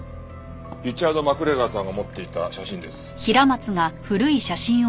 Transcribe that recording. リチャード・マクレガーさんが持っていた写真です。